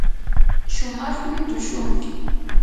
shumaqmi tushunki.